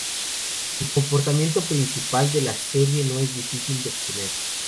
El comportamiento principal de la serie no es difícil de obtener.